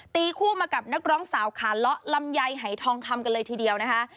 ตีคู่มากับนักร้องสาวขาเลาะลำไยหายทองคำกันเลยทีเดียวนะคะ